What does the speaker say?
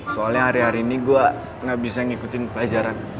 soalnya hari hari ini gue gak bisa ngikutin pelajaran